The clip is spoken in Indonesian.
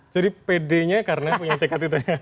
jadi pd nya karena punya tiket itu ya